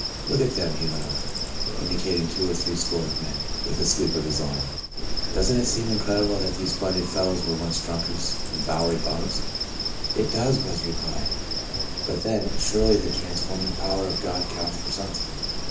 Look at them," he went on, in dicating two or three score of men, with a sweep of his arm. " Doesn't it seem incred ible that these splendid fellows were once drunkards and Bowery * bums '?"It does," was replied, '* but then, surely the transforming power of God counts for something?"